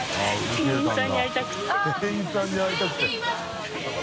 店員さんに会いたくて。